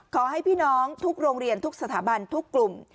ขอให้พี่น้องทุกโรงเรียนทุกสถาบันทุกกลุ่ม